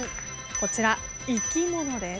こちら生き物です。